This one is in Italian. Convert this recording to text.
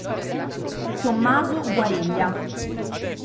Tommaso Guariglia